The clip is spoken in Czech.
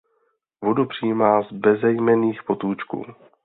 Vodu přijímá z bezejmenných potůčků.